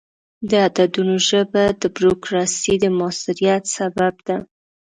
د عددونو ژبه د بروکراسي د موثریت سبب ده.